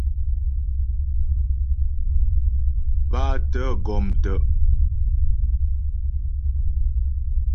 Bátə̀ gɔm tə'.